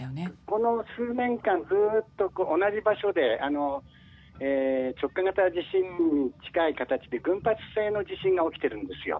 この数年間、ずっと同じ場所で直下型地震に近い形で群発性の地震が起きてるんですよ。